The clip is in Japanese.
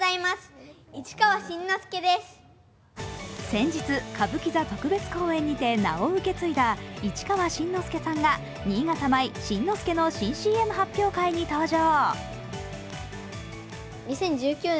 先日、歌舞伎座特別公演にて名を受け継いだ市川新之助さんが、新潟米新之助の新ＣＭ発表会に登場。